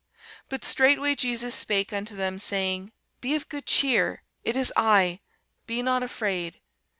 But straightway Jesus spake unto them, saying, Be of good cheer; it is I; be not afraid.